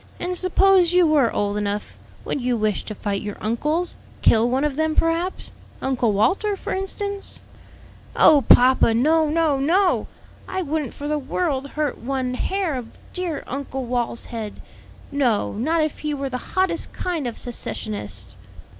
And suppose you were old enough, would you wish to fight your uncles? kill one of them, perhaps? Uncle Walter, for instance?" "Oh papa, no, no, no! I wouldn't for the world hurt one hair of dear Uncle Wal's head; no, not if he were the hottest kind of secessionist."